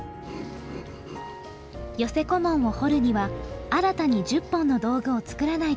寄せ小紋を彫るには新たに１０本の道具を作らないといけません。